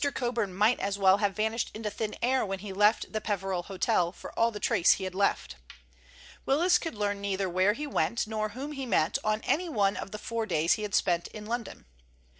Coburn might as well have vanished into thin air when he left the Peveril Hotel, for all the trace he had left. Willis could learn neither where he went nor whom he met on any one of the four days he had spent in London.